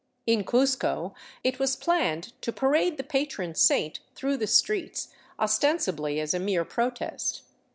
In Cuzco it was planned to parade the patron saint through the streets, ostensibly as a mere protest.